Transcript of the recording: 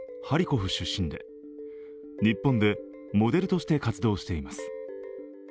ハリコフ出身で日本でモデルとして活動しています。